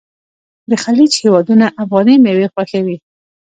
د خلیج هیوادونه افغاني میوې خوښوي.